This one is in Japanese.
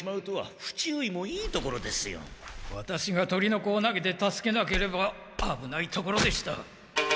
ワタシが鳥の子を投げて助けなければあぶないところでした。